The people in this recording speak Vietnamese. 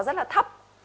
rất là thấp